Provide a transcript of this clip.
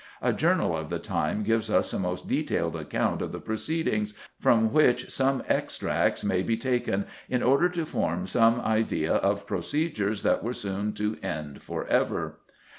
A journal of the time gives us a most detailed account of the proceedings, from which some extracts may be taken in order to form some idea of procedures that were soon to end for ever.